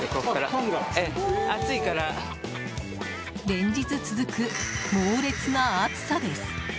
連日続く猛烈な暑さです。